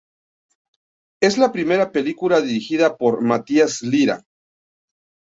Es la primera película dirigida por Matías Lira.